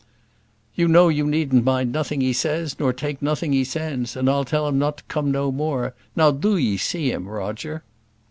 "You know you needn't mind nothing he says, nor yet take nothing he sends: and I'll tell him not to come no more. Now do 'ee see him, Roger."